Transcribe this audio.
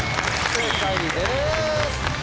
正解です！